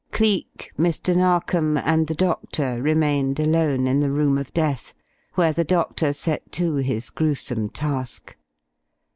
Cleek, Mr. Narkom, and the doctor remained alone in the room of death, where the doctor set to his gruesome task.